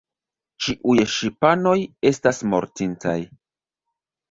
Ĉiuj ŝipanoj estas mortintaj.